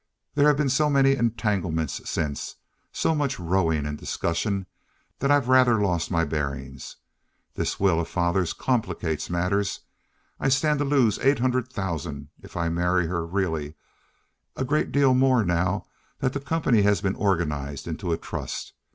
There have been so many entanglements since, so much rowing and discussion, that I've rather lost my bearings. This will of father's complicates matters. I stand to lose eight hundred thousand if I marry her—really, a great deal more, now that the company has been organized into a trust.